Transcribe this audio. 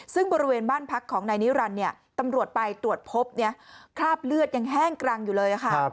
ซึ่งบริเวณบ้านพักของนายนิรันดิ์ตำรวจไปตรวจพบคราบเลือดยังแห้งกรังอยู่เลยค่ะ